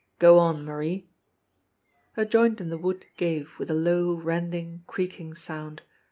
"Go on, Marie !" A joint in the wood gave with a low, rending, creaking sound.